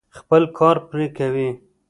خپل کار پرې کوي.